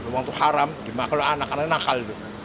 uang itu haram dimakan oleh anak anaknya nakal itu